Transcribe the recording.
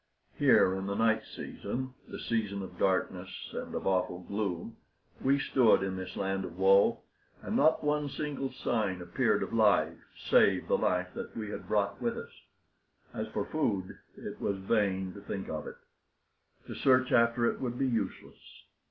Here in the night season the season of darkness and of awful gloom we stood in this land of woe; and not one single sign appeared of life save the life that we had brought with us. As for food, it was vain to think of it. To search after it would be useless.